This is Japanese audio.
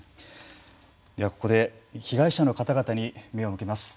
ではここで被害者の方々に目を向けます。